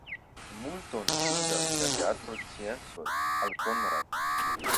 Multon ŝuldas la teatrosciencoj al Konrad.